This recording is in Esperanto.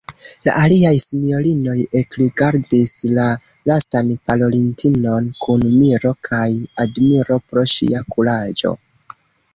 La aliaj sinjorinoj ekrigardis la lastan parolintinon kun miro kaj admiro pro ŝia kuraĝo.